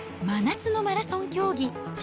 真夏のマラソン競技。